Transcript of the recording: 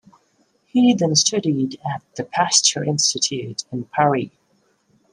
He then studied at the Pasteur Institute in Paris.